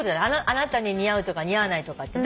あなたに似合うとか似合わないとかって。